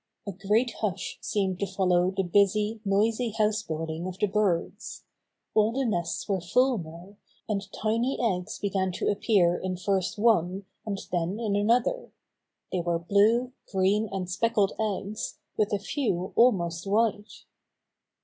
A great hush seemed to follow the busy, noisy house building of the birds. All the nests were full now, and tiny eggs began to appear in first one, and then in 132 Bobby Gray Squirrel's Adventures another. They were blue, green ^nd speckled eggs, with a few almost white.